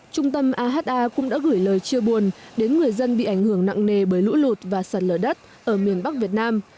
trung tâm aha cũng đã gửi lời chia buồn đến người dân bị ảnh hưởng nặng nề bởi lũ lụt và sạt lở đất ở miền bắc việt nam